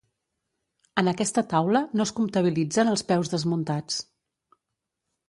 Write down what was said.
En aquesta taula no es comptabilitzen els peus desmuntats.